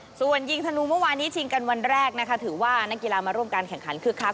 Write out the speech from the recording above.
ส่วนยิงธนูเมื่อวานนี้ชิงกันวันแรกนะคะถือว่านักกีฬามาร่วมการแข่งขันคึกคัก